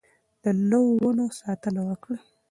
د نويو ونو ساتنه وکړئ.